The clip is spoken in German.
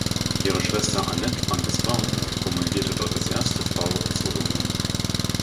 Ihre Schwester Annette Frances Braun promovierte dort als erste Frau in Zoologie.